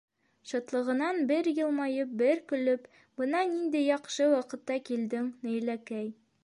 Шатлығынан бер йылмайып, бер көлөп: - Бына ниндәй яҡшы ваҡытта килдең, Наиләкәй.